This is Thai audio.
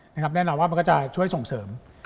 แน่นอนว่ามันก็จะช่วยส่งเสริม